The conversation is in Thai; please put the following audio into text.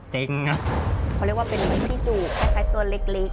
จริงนะเขาเรียกว่าเป็นนี่พี่จุกใครตัวเล็กเล็ก